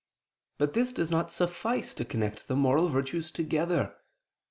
But this does not suffice to connect the moral virtues together.